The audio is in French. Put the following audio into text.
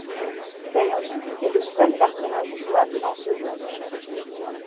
Tails est le seul personnage jouable dans ce jeu.